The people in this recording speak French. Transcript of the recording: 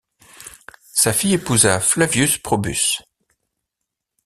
Sa fille épousa Flavius Probus.